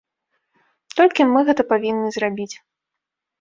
Толькі мы гэта павінны зрабіць.